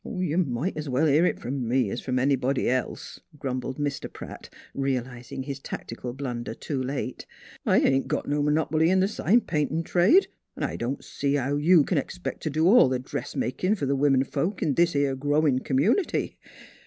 " You might 's well hear it f'om me 's f'om any body else," grumbled Mr. Pratt, realizing his tac tical blunder too late. " I ain't got no m'nop'ly in th' sign paintin' trade, an' I don't see how you c'n 'xpect t' do all the dressmakin' f'r th' wimin folks in this ere growin' community.